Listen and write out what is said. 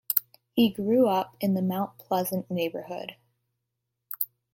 He grew up in the Mount Pleasant neighbourhood.